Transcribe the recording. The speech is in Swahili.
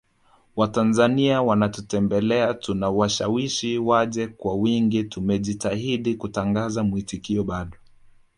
Watanzania wanatutembelea tunawashawishi waje kwa wingi tumejitahidi kutangaza mwitikio bado